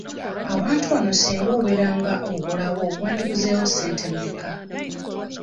Awantu wano singa obeera nga ogulawo wandiguzeewo ssente mmeka?